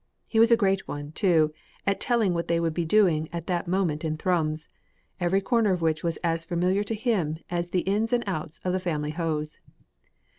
He was a great one, too, at telling what they would be doing at that moment in Thrums, every corner of which was as familiar to him as the ins and outs of the family hose.